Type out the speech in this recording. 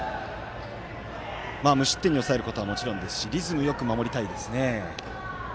無失点に抑えることはもちろんですしリズムよく守りたいですね。